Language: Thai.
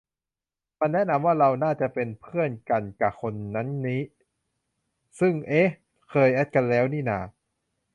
มันแนะนำว่าเราน่าจะเป็นเพื่อนกะคนนั้นนี้ ซึ่ง เอ๊ะ เคยแอดกันแล้วนี่นา